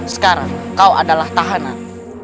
sekarang kau adalah tahanan